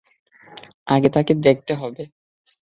আগে তাকে দেখতে হবে।